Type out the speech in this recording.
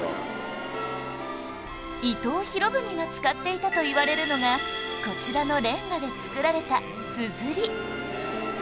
伊藤博文が使っていたといわれるのがこちらのレンガで作られたすずり